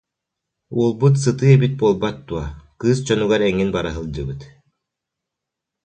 Уолбут сытыы эбит буолбат дуо, кыыс дьонугар эҥин бара сылдьыбыт